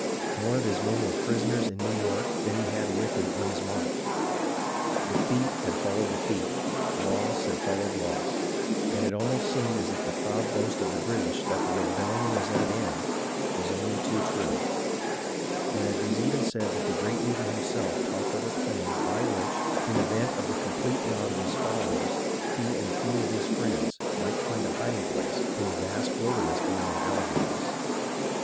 More of his men were prisoners in New York than he had with him on his march. Defeat had followed defeat, loss had followed loss, and it almost seemed as if the proud boast of the British that the rebel 134 HISTORY OF THE AMERICAN REVOLUTION lion was at an end, was only too true ; and it is even said that the great leader himself talked over plans by which, in the event of the complete rout of his followers, he and a few of his friends might find a hiding place, in the vast wilder ness beyond the Alleghanies.